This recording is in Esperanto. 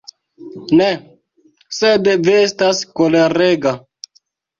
Ne, sed vi estas kolerega.